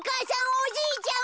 おじいちゃん